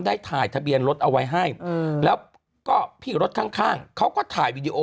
ได้ถ่ายทะเบียนรถเอาไว้ให้แล้วก็พี่รถข้างเขาก็ถ่ายวีดีโอ